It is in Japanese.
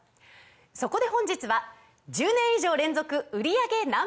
そこで本日は１０年以上連続売り上げＮｏ．１